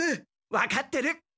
わかってる。